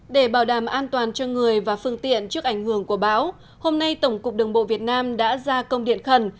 để bảo đảm an toàn cho người và phương tiện trước ảnh hưởng của bão hôm nay tổng cục đường bộ việt nam đã ra công điện khẩn